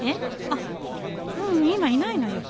あっううん今いないのよ。